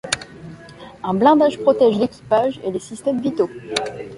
Un blindage protège l'équipage et les systèmes vitaux.